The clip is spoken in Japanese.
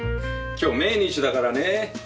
今日命日だからね